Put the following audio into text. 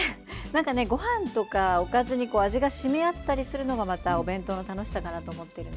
何かねご飯とかおかずに味がしみ合ったりするのがまたお弁当の楽しさかなと思っているので。